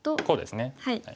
こうですね。